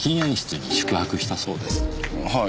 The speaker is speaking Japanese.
はい。